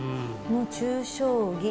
の中将棋。